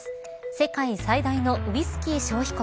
世界最大のウイスキー消費国